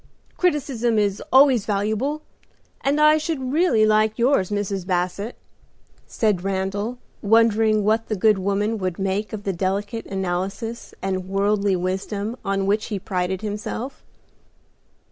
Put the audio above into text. Criticism is always valuable, and I should really like yours, Mrs. Basset," said Randal, wondering what the good woman would make of the delicate analysis and worldly wisdom on which he prided himself.